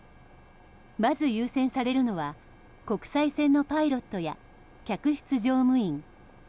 まず優先されるのは国際線のパイロットや客室乗務員。